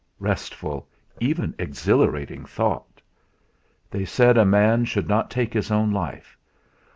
Restful, even exhilarating thought! They said a man should not take his own life.